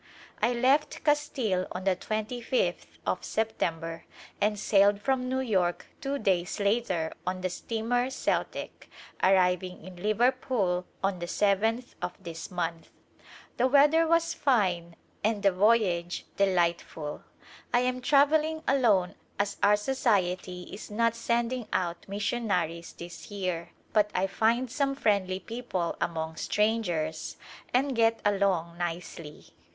I left Castile on the 25th of September and sailed from New York two days later on the steamer Celtic arriving in Liverpool on the seventh of this month. The weather was fine and the voyage delightful. I am travelling alone as our Society is not sending out missionaries this year, but I find some friendly people among strangers and get along nicely.